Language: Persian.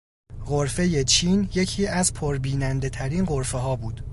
غرفهٔ چین یکی از پربینندهترین غرفهها بود.